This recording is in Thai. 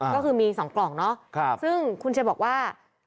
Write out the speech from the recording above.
ก็คือมี๒กล่องเนาะซึ่งคุณเชียร์บอกว่า